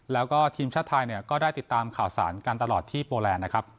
แล้วก็ทีมชาติไทยเนี่ยก็ได้ติดตามข่าวสารกันตลอดที่โปแลนด์นะครับ